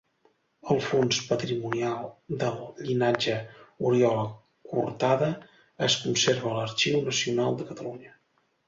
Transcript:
El fons patrimonial del llinatge Oriola-Cortada es conserva a l'Arxiu Nacional de Catalunya.